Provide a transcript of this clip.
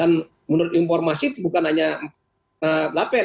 dan menurut informasi bukan hanya dapen